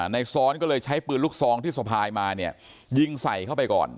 ในซ้อนก็เลยใช้ปืนลูกซองที่สะพายมาเนี่ยยิงใส่เข้าไปก่อน